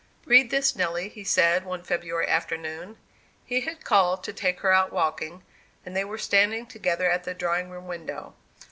"Read this, Nelly," he said, one February afternoon. He had called to take her out walking, and they were standing together at the drawing room window.